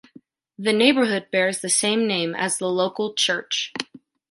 The neighborhood bears the same name as the local church.